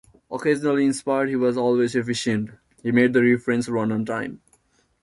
Occasionally inspired, he was always efficient; he made the refrains run on time.